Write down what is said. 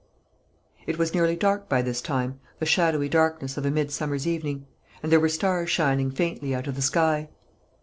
It was nearly dark by this time, the shadowy darkness of a midsummer's evening; and there were stars shining faintly out of the sky.